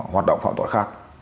hoạt động phạm tội khác